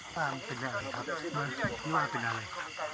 สร้างเป็นอะไรครับนี่สร้างเป็นอะไร